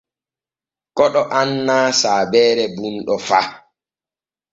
Koɗo annaa saabeere bunɗo fa.